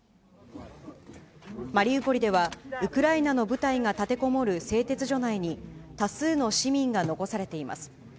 マリウポリでは、ウクライナの部隊が立てこもる製鉄所内に、多数の市民が残されています。